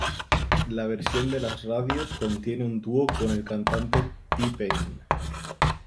La versión de las radios contiene un dúo con el cantante T-Pain.